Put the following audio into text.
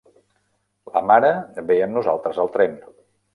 La mare ve amb nosaltres al tren.